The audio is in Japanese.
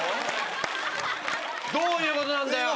どういうことなんだよ。